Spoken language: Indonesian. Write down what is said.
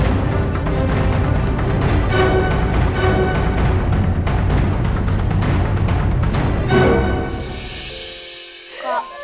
jauh dari rumah